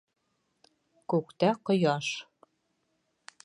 Күктә ҡояш.